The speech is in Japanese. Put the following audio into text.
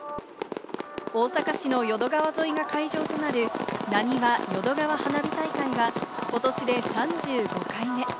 大阪市の淀川沿いが会場となる、なにわ淀川花火大会がことしで３５回目。